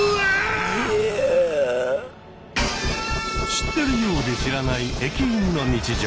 知ってるようで知らない駅員の日常。